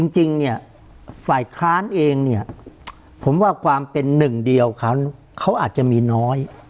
จริงเนี่ยฝ่ายค้านเองเนี่ยผมว่าความเป็นหนึ่งเดียวเขาอาจจะมีน้อย